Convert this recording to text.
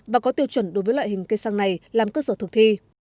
và có tiêu chuẩn đối với loại hình cây xăng này làm cơ sở thực thi